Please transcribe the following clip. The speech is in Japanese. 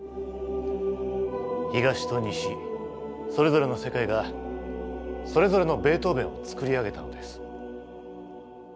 東と西それぞれの世界がそれぞれのベートーヴェンを作り上げたのです。